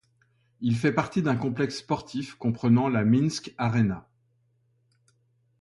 Il fait partie d'un complexe sportif comprenant la Minsk-Arena.